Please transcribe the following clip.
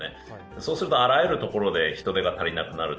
そうするとあらゆるところで人手が足りなくなる。